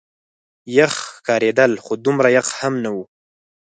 یخ ښکارېدل، خو دومره یخ هم نه.